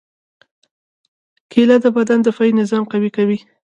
کېله د بدن دفاعي نظام قوي کوي.